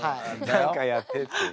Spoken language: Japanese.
何かやってっていう。